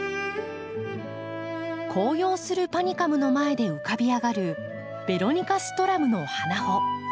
紅葉するパニカムの前で浮かび上がるベロニカストラムの花穂。